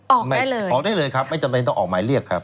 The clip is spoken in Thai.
ออกใหม่เลยออกได้เลยครับไม่จำเป็นต้องออกหมายเรียกครับ